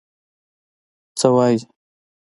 _څه وايي؟